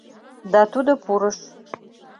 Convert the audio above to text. — Да Тудо пурыш.